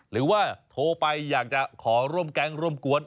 หรือว่าโทรไปอยากจะขอร่วมแก๊งร่วมกวน